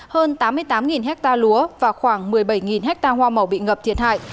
hơn tám mươi tám hecta lúa và khoảng một mươi bảy hecta hoa mỏ bị ngập thiệt hại